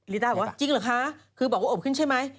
ต้าบอกว่าจริงเหรอคะคือบอกว่าอบขึ้นใช่ไหม